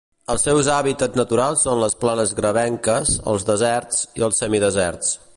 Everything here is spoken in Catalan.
Els seus hàbitats naturals són les planes gravenques, els deserts i els semideserts.